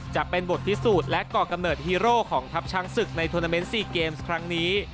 จะเป็นบทพิสูจน์และก่อกำเนิดฮีโร่ของทัพช้างศึกในทวนาเมนต์๔เกมส์ครั้งนี้